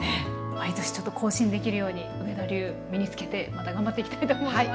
毎年ちょっと更新できるように上田流身につけてまた頑張っていきたいと思います。